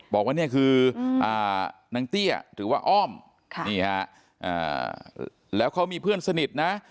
บอกว่าเนี่ยคือนางเตี้ยหรือว่าอ้อมนี่ฮะแล้วเขามีเพื่อนสนิทนะ